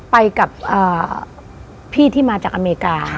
ไปกับพี่ที่มาจากอเมริกา